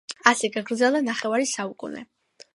ასე გაგრძელდა ნახევარი საუკუნე.